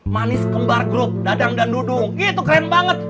manis kembar grup dadang dan dudung itu keren banget